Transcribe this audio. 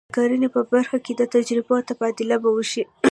د کرنې په برخه کې د تجربو تبادله به وشي.